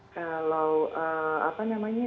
kalau apa namanya